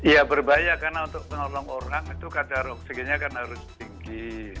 ya berbahaya karena untuk menolong orang itu kadar oksigennya kan harus tinggi